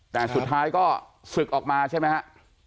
แต่สุดท้ายก็ศึกออกมาใช่ไหมฮะ